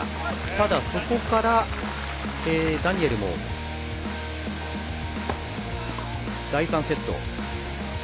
ただ、そこからダニエルも第３セット。